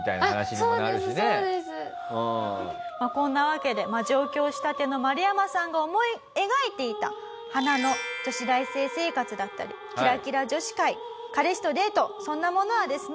こんなわけで上京したてのマルヤマさんが思い描いていた花の女子大生生活だったりキラキラ女子会彼氏とデートそんなものはですね